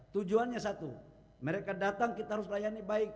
tujuannya satu mereka datang kita harus layani baik